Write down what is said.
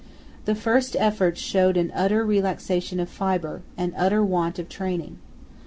The first efforts showed an utter relaxation of fibre, an utter want of training.